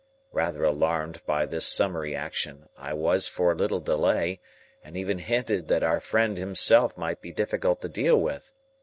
Rather alarmed by this summary action, I was for a little delay, and even hinted that our friend himself might be difficult to deal with.